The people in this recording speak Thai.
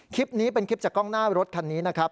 คลิปนี้เป็นคลิปจากกล้องหน้ารถคันนี้นะครับ